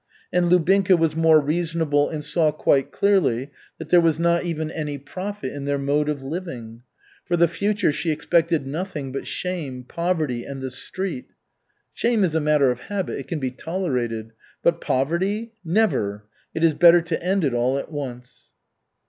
And Lubinka was more reasonable and saw quite clearly that there was not even any profit in their mode of living. For the future she expected nothing but shame, poverty and the street. Shame is a matter of habit, it can be tolerated, but poverty never! It is better to end it all at once.